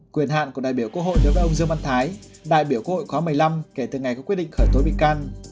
quyền hạn của đại biểu quốc hội đối với ông dương văn thái đại biểu quốc hội khóa một mươi năm kể từ ngày có quyết định khởi tố bị can